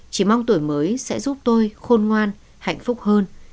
chỉ mong tuổi mới sẽ giúp tôi khôn ngoan hạnh phúc hơn